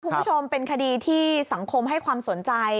คุณผู้ชมเป็นคดีที่สังคมให้ความสนใจ